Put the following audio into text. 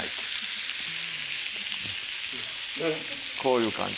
こういう感じ。